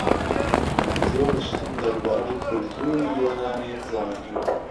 زۆر شتم دەربارەی کولتووری یۆنانی زانی.